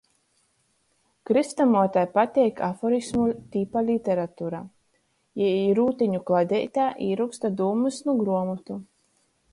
Krystamuotei pateik aforismu tipa literatura, jei rūteņu kladeitē izroksta dūmys nu gruomotu.